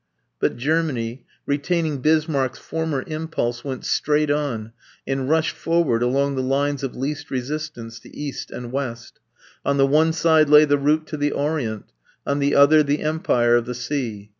But Germany, retaining Bismarck's former impulse, went straight on and rushed forward along the lines of least resistance to east and west: on the one side lay the route to the Orient, on the other the empire of the sea.